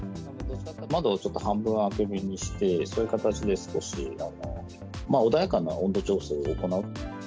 窓をちょっと半分開け気味にして、そういう形で少し穏やかな温度調整を行う。